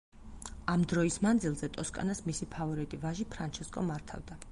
ამ დროის მანძილზე ტოსკანას მისი ფავორიტი ვაჟი, ფრანჩესკო მართავდა.